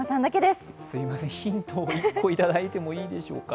すみません、ヒントをいただいてもいいでしょうか？